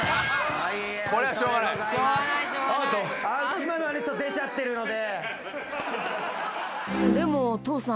今のはねちょっと出ちゃってるので。